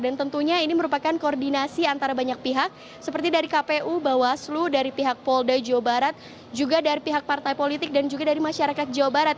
tentunya ini merupakan koordinasi antara banyak pihak seperti dari kpu bawaslu dari pihak polda jawa barat juga dari pihak partai politik dan juga dari masyarakat jawa barat